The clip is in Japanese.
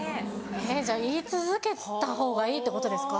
えっじゃあ言い続けたほうがいいってことですか？